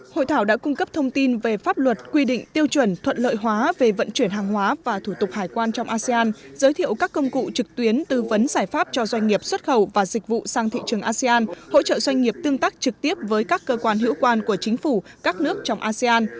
hội thảo đã cung cấp thông tin về pháp luật quy định tiêu chuẩn thuận lợi hóa về vận chuyển hàng hóa và thủ tục hải quan trong asean giới thiệu các công cụ trực tuyến tư vấn giải pháp cho doanh nghiệp xuất khẩu và dịch vụ sang thị trường asean hỗ trợ doanh nghiệp tương tác trực tiếp với các cơ quan hữu quan của chính phủ các nước trong asean